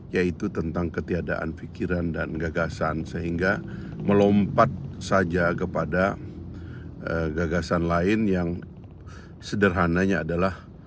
yaitu tentang ketiadaan pikiran dan gagasan sehingga melompat saja kepada gagasan lain yang sederhananya adalah